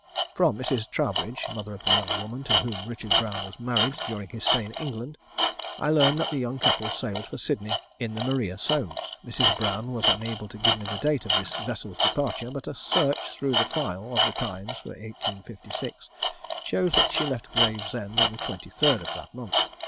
From Mrs. Troubridge, mother of the young woman to whom Richard Brown was married during his stay in England, I learned that the young couple sailed for Sydney in the Maria Somes. Mrs. Brown was unable to give me the date of this vessel's departure, but a search through the file of the Times for April, 1856, shows that she left Gravesend on the 23rd of that month.